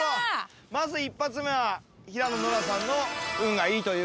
まず一発目は平野ノラさんの運がいいということで。